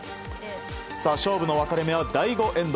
勝負の分かれ目は第５エンド。